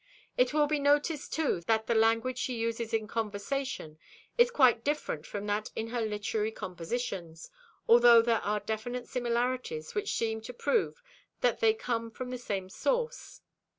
It will be noticed, too, that the language she uses in conversation is quite different from that in her literary compositions, although there are definite similarities which seem to prove that they come from the same source.